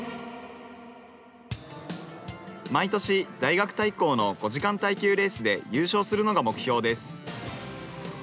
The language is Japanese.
毎年、大学対抗の５時間耐久レースで優勝するのが目標です。